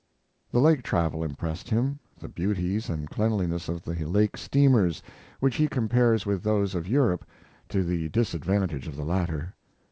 The Lake travel impressed him; the beauties and cleanliness of the Lake steamers, which he compares with those of Europe, to the disadvantage of the latter.